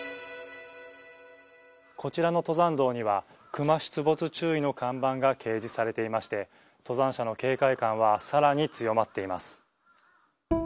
こちらの登山道には、クマ出没注意の看板が掲示されていまして、登山者の警戒感はさらに強まっています。